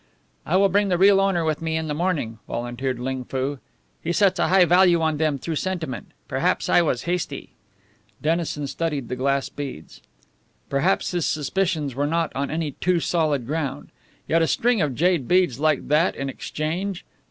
"I will bring the real owner with me in the morning," volunteered Ling Foo. "He sets a high value on them through sentiment. Perhaps I was hasty." Dennison studied the glass beads. Perhaps his suspicions were not on any too solid ground. Yet a string of jade beads like that in exchange!